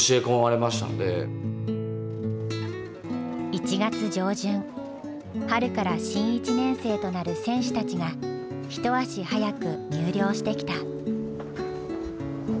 １月上旬春から新１年生となる選手たちが一足早く入寮してきた。